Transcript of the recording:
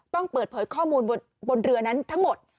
ต้องเปิดเผยข้อมูลบนเรือนั้นทั้งหมด